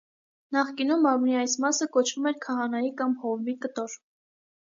Նախկինում մարմնի այս մասը կոչվում էր քահանայի կամ հովվի կտոր։